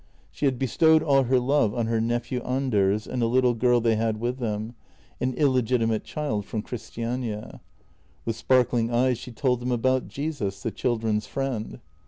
She had bestowed all her love on her nephew Anders and a little girl they had with them — an illegitimate child from Christiania. With sparkling eyes she told them about Jesus, the children's Friend.